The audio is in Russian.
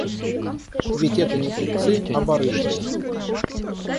Ведь это не купцы, а барышники.